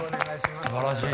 すばらしい。